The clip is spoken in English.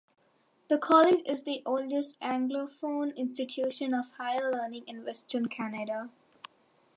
The college is the oldest Anglophone institution of higher learning in Western Canada.